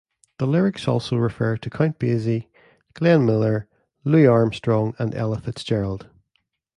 The lyrics also refer to Count Basie, Glenn Miller, Louis Armstrong and Ella Fitzgerald.